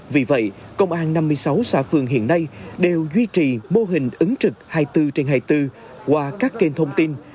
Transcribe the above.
vì vậy công an năm mươi sáu xã phường hiện nay đều duy trì mô hình ứng trực hai mươi bốn trên hai mươi bốn qua các kênh thông tin